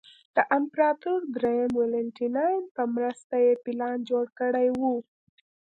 د امپراتور درېیم والنټیناین په مرسته یې پلان جوړ کړی و